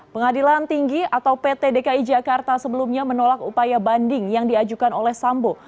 pengadilan tinggi atau pt dki jakarta sebelumnya menolak upaya banding yang diajukan oleh sambo